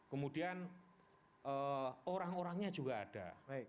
kemudian orang orangnya juga ada